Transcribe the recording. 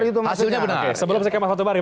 oke sebelum saya kemas waktu baru